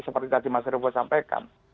seperti tadi mas revo sampaikan